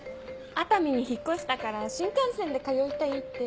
熱海に引っ越したから新幹線で通いたいって。